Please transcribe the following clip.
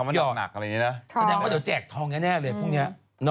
แสดงว่าเดี๋ยวแจกทองแน่เลยพรุ่งนี้